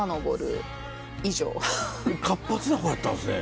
活発な子やったんすね。